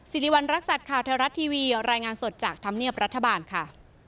สิริวัณรักษัตริย์ข่าวเทวรัฐทีวีรายงานสดจากธรรมเนียบรัฐบาลค่ะ